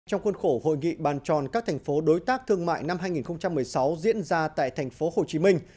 trong khuôn khổ hội nghị bàn tròn các thành phố đối tác thương mại năm hai nghìn một mươi sáu diễn ra tại thành phố hồ chí minh